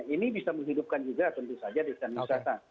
ini bisa menghidupkan juga tentu saja desain wisata